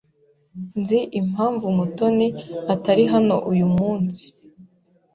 Nzi impamvu Mutoni atari hano uyu munsi.